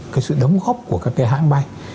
cái sự đóng góp của các cái hãng bay